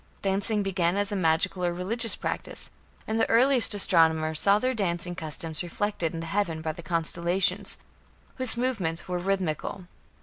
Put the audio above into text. Dancing began as a magical or religious practice, and the earliest astronomers saw their dancing customs reflected in the heavens by the constellations, whose movements were rhythmical.